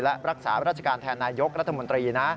และรักษาราชการแทนนายยกรัฐมนตรีนะ